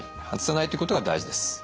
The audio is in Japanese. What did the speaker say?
外さないってことが大事です。